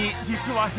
「実は」